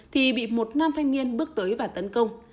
thì bị một nam thanh niên bước tới và tấn công